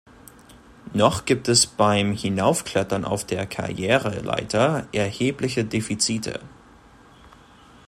Noch gibt es beim Hinaufklettern auf der Karriereleiter erhebliche Defizite.